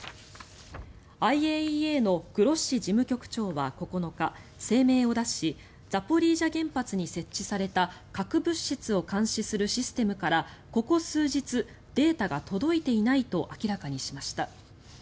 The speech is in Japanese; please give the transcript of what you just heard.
ＩＡＥＡのグロッシ事務局長は９日、声明を出しザポリージャ原発に設置された核物質を監視するシステムからここ数日データが届いていないと明らかにしました。